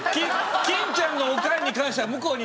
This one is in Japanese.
金ちゃんのおかんに関しては向こうに。